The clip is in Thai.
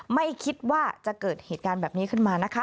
ไม่คิดว่าจะเกิดเหตุการณ์แบบนี้ขึ้นมานะคะ